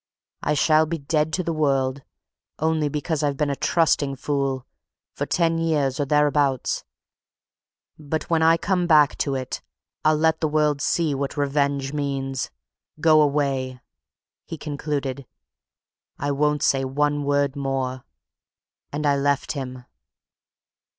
'I shall be dead to the world only because I've been a trusting fool! for ten years or thereabouts, but, when I come back to it, I'll let the world see what revenge means! Go away!' he concluded. 'I won't say one word more.' And I left him."